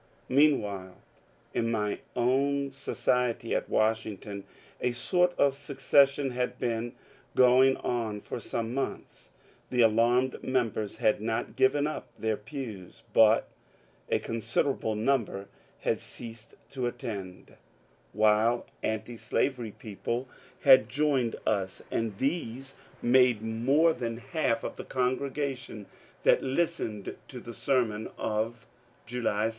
Meanwhile in my own society at Washington a sort of secession had been going on for some months. The alarmed members had not given up their pews, but a considerable number had ceased to attend, while antislavery people had 242 MONCURE DANIEL CONWAY joined us, and these made more than half of the congregation that listened to the sermon of July 6.